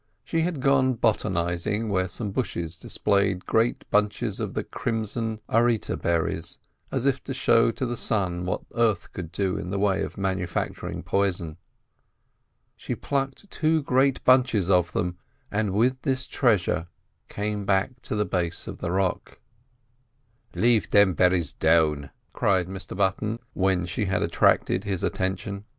She had gone botanising where some bushes displayed great bunches of the crimson arita berries as if to show to the sun what Earth could do in the way of manufacturing poison. She plucked two great bunches of them, and with this treasure came to the base of the rock. "Lave thim berries down!" cried Mr Button, when she had attracted his attention.